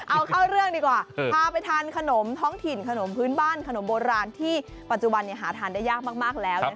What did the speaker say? เอาเข้าเรื่องดีกว่าพาไปทานขนมท้องถิ่นขนมพื้นบ้านขนมโบราณที่ปัจจุบันหาทานได้ยากมากแล้ว